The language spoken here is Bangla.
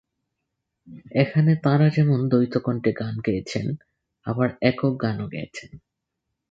এখানে তাঁরা যেমন দ্বৈত কণ্ঠে গান গেয়েছেন, আবার একক গানও গেয়েছেন।